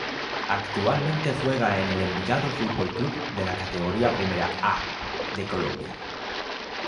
Actualmente juega en el Envigado Fútbol Club de la Categoría Primera A de Colombia.